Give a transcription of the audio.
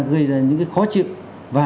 gây ra những cái khó chịu và